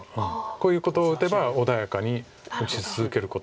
こういうことを打てば穏やかに打ち続けることが。